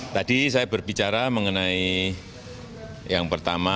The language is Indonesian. tadi saya berbicara mengenai yang pertama